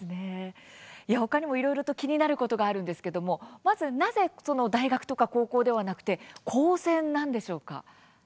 他にもいろいろと気になることがあるんですけどもまず、なぜ大学とか高校ではなくて高専なんでしょうか？